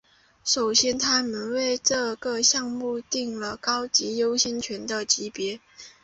首先他们为这个项目订了高级优先权的级别。